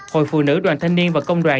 hội phụ nữ đoàn thanh niên và công đoàn